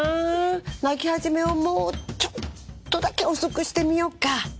泣き始めをもうちょっとだけ遅くしてみようか。